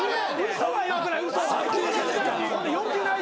嘘はよくない。